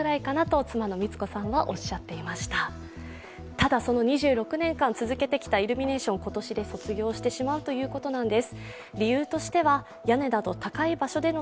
ただ、その２６年間続けてきたイルミネーション、今年で卒業してしまうということなんです。